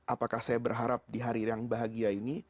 apakah saya berharap di hari yang bahagia ini